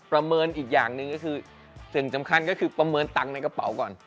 เมินอีกอย่างหนึ่งก็คือสิ่งสำคัญก็คือประเมินตังค์ในกระเป๋าก่อน